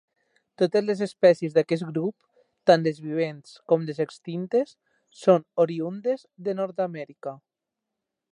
Totes les espècies d'aquest grup, tant les vivents com les extintes, són oriündes de Nord-amèrica.